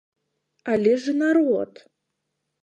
Але ж і народ!